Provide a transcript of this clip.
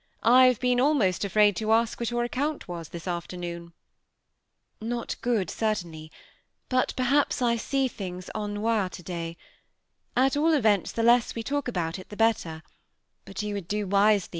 I have been almost afraid to ask what your account was this afternoon ?" ''Not good, certainly.; but perhaps I see things en nair to day. At all events, the less we talk about it the better ; but you would do wisely.